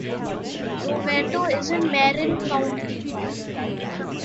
Novato is in Marin County.